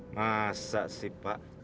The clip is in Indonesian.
masa sih pak